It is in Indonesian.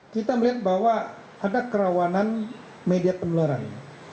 kita melihat bahwa ada kerawanan media penularan